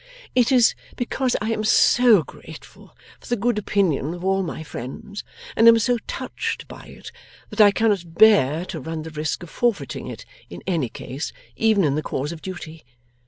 'It is because I am so grateful for the good opinion of all my friends, and am so touched by it, that I cannot bear to run the risk of forfeiting it in any case, even in the cause of duty.